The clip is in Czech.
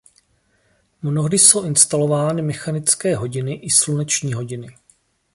Mnohdy jsou instalovány mechanické hodiny i sluneční hodiny.